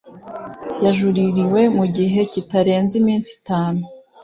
yajuririwe mu gihe kitarenze iminsi itanu.